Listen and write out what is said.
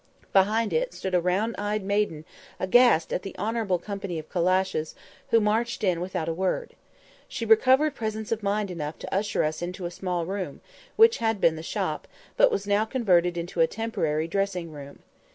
Behind it stood a round eyed maiden, all aghast at the honourable company of calashes, who marched in without a word. She recovered presence of mind enough to usher us into a small room, which had been the shop, but was now converted into a temporary dressing room.